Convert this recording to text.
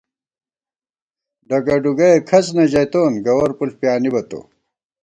ڈگہ ڈُگَئےکھڅ نہ ژَئیتون، گوَر پُݪ پیانِبہ تو